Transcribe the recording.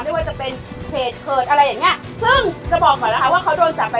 ไม่ว่าจะเป็นเขตเกิดอะไรอย่างเงี้ยซึ่งจะบอกก่อนนะคะว่าเขาโดนจับไป